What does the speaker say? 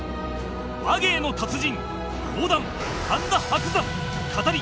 話芸の達人講談神田伯山語り